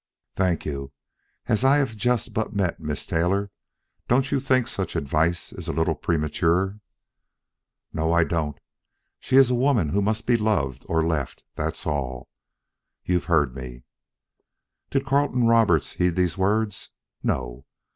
"Thank you. As I have but just met Miss Taylor, don't you think such advice is a little premature?" "No, I don't. She is a woman who must be loved or left; that's all. You've heard me." Did Carleton Roberts heed these words? No.